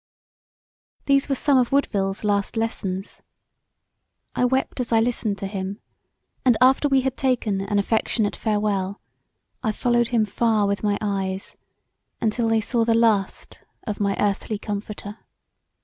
These were some of Woodville's last lessons. I wept as I listened to him; and after we had taken an affectionate farewell, I followed him far with my eyes until they saw the last of my earthly comforter.